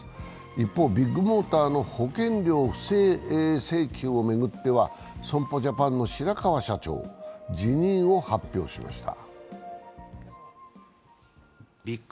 一方、ビッグモーターの保険料不正請求を巡っては損保ジャパンの白川社長、辞任を発表しました。